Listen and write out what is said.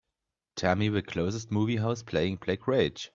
Tell me the closest movie house playing Black Rage